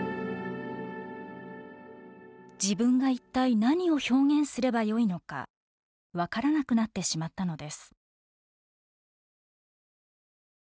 自分が一体何を表現すればよいのか分からなくなってしまったのです。